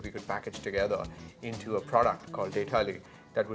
mereka mencari yang sulit untuk dikontrol